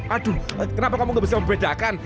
aduh kenapa kamu gak bisa membedakan